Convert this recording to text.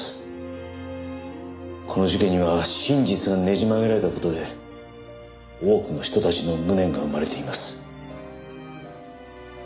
この事件には真実がねじ曲げられた事で多くの人たちの無念が生まれています。